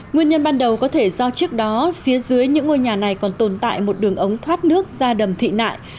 nguyên nhân ban đầu có thể do trước đó phía dưới những ngôi nhà này còn tồn tại một đường ống thoát nước ra đầm thị nại